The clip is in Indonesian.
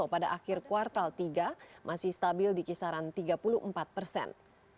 pada akhir kuartal tiga masih stabil di kisaran tiga puluh empat persen